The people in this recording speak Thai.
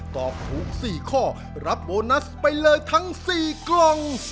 ตอบถูก๔ข้อรับโบนัสไปเลยทั้ง๔กล่อง